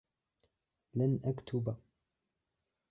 لَنْ أَكْتُبَ.